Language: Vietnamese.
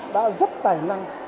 đã rất tài năng